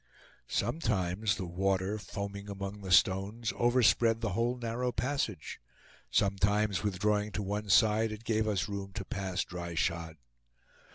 Sometimes the water, foaming among the stones, overspread the whole narrow passage; sometimes, withdrawing to one side, it gave us room to pass dry shod.